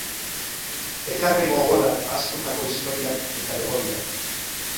Ekarri gogora ahaztutako historiak eta memoria.